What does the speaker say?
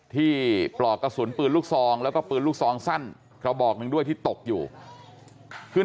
ที่เปราะกระสุนปืนรุ่งซองแล้วก็เปรียดรุกซองสั้นเขาบอกด้วยที่ตกอยู่ตึง